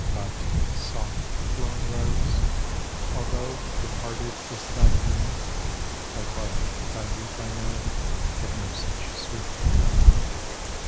But, soft! blown rose, although Departed is thy bloom, Thy bud, thy youth, I know, Had no such sweet perfume.